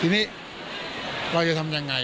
ทีนี้เราจะทำยังไง